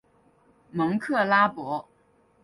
蒙克拉博。